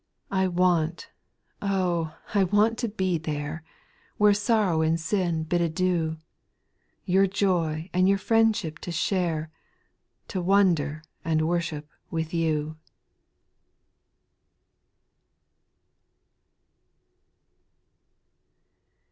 I want, oh ! I want to be there. Where sorrow and sin bid adieu, Your joy and your friendship to share, To wonder and worship with you.